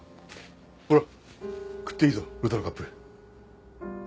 ほら食っていいぞウルトラカップ。